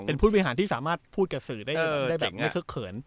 เป็นผู้บริหารที่สามารถพูดกับสื่อได้แบบไม่คึกเขิน